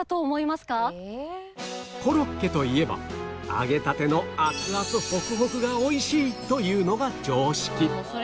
コロッケといえば揚げたての熱々ほくほくが美味しいというのが常識